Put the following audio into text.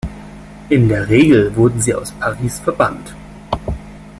In der Regel wurden sie aus Paris verbannt.